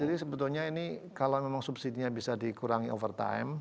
jadi sebetulnya ini kalau memang subsidinya bisa dikurangi over time